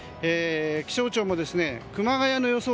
気象庁も熊谷の予想